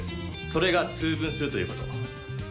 それが「通分」するということ。